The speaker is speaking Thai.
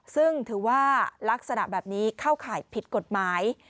ซึ่งถือว่าลักษณะแบบนี้เข้าข่ายผิดกฎหมาย